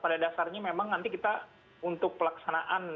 pada dasarnya memang nanti kita untuk pelaksanaan